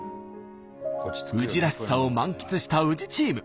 宇治らしさを満喫した宇治チーム。